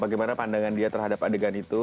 bagaimana pandangan dia terhadap adegan itu